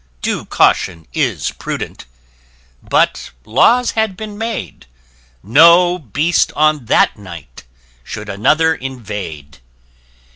Due caution is prudent! but laws had been made No Beast, on that night, should another invade.